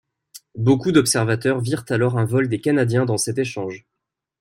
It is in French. Beaucoup d'observateurs virent alors un vol des Canadiens dans cet échange.